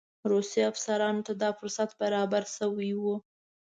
روسي افسرانو ته دا فرصت برابر شوی وو.